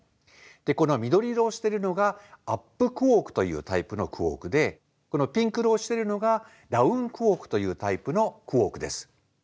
でこの緑色をしてるのがアップクォークというタイプのクォークでこのピンク色をしてるのがダウンクォークというタイプのクォークです。